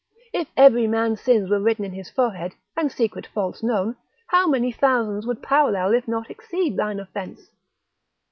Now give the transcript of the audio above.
If every man's sins were written in his forehead, and secret faults known, how many thousands would parallel, if not exceed thine offence?